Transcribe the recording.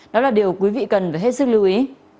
đó là điều quý vị cần phải hết sức lưu ý